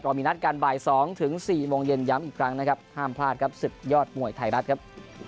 มีนัดกันบ่าย๒ถึง๔โมงเย็นย้ำอีกครั้งนะครับห้ามพลาดครับศึกยอดมวยไทยรัฐครับ